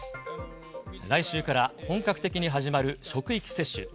来週から本格的に始まる職域接種。